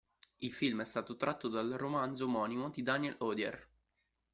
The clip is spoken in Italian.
Il film è stato tratto dal romanzo omonimo di Daniel Odier.